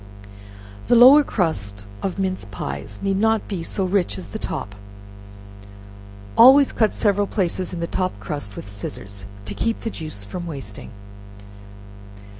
The lower crust of mince pies need not be so rich as the top; always cut several places in the top crust with scissors, to keep the juice from wasting.